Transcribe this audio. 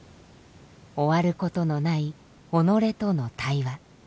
終わることのない己との対話